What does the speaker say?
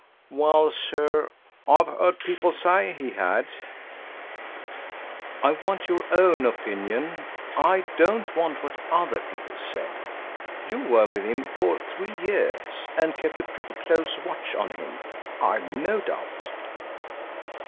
"Well, sir, I've heard people say he had." "I want your own opinion; I don't want what other people said. You were with him for three years and kept a pretty close watch on him, I've no doubt."